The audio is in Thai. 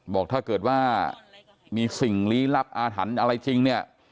บอกถ้าเกิดว่ามีสิ่งลี้ลับอาถรรพ์อะไรจริงเนี่ย